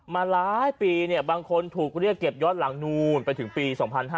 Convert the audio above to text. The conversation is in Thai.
มาหลายปีบางคนถูกเรียกเก็บย้อนหลังนู้นไปถึงปี๒๕๕๙